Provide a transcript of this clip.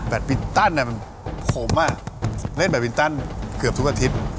ปินตันผมเล่นแบตมินตันเกือบทุกอาทิตย์